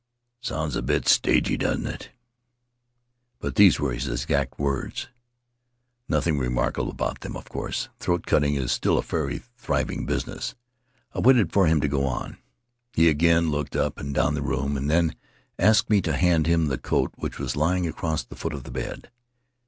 Sounds a bit stagey, doesn't it? But these were his exact words. Nothing remarkable about them, of course. Throat cutting is still a fairly thriving business. I waited for him to go on. He again looked up and down the room, and then asked me to hand him the coat which was lying across the foot of the bed.